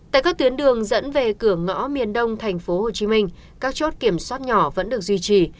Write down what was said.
tại các tuyến đường dẫn về cửa ngõ miền đông thành phố hồ chí minh các chốt kiểm soát nhỏ vẫn được duy trì